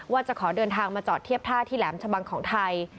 ว่าจะขอเดินทางมาจอดเทียบท่าที่แหลมชะบังของไทย